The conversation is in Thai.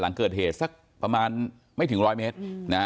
หลังเกิดเหตุประมาณไม่ถึง๑๐๐เมตร